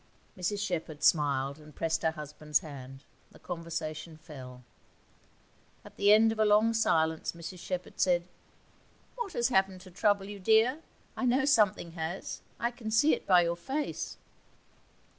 Mrs Shepherd smiled and pressed her husband's hand. The conversation fell. At the end of a long silence Mrs Shepherd said: 'What has happened to trouble you, dear? I know something has, I can see it by your face.'